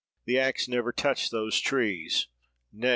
The axe never touched those trees—Nay!